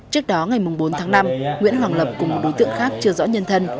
trước đó ngày bốn tháng năm nguyễn hoàng lập cùng một đối tượng khác chưa rõ nhân thân